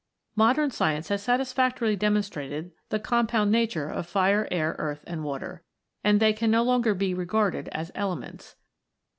Modern science has satisfactorily demonstrated the compound nature of fire, air, earth, and water, and they can no longer be regarded as . elements.